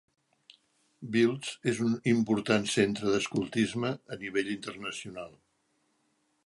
Wiltz és un important centre de l'Escoltisme a nivell internacional.